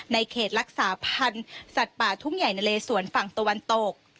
เขตรักษาพันธุ์สัตว์ป่าทุ่งใหญ่นะเลสวนฝั่งตะวันตก